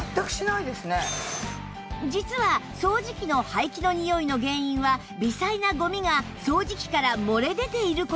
実は掃除機の排気のニオイの原因は微細なゴミが掃除機から漏れ出ている事